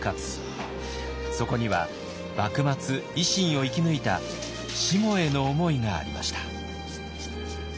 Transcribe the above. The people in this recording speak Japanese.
そこには幕末維新を生き抜いたしもへの思いがありました。